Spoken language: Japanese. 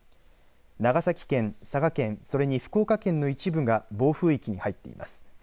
長崎県、佐賀県それに福岡県の一部が暴風域に入っています。